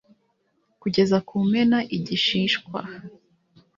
Kugeza kumena igishishwa